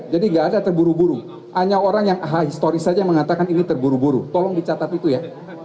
jadi tidak ada terburu buru hanya orang yang ahal historis saja yang mengatakan ini terburu buru tolong dicatat itu ya